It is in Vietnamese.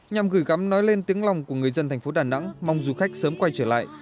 nhằm gửi gắm nói lên tiếng lòng của người dân thành phố đà nẵng mong du khách sớm quay trở lại